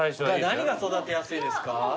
何が育てやすいですか？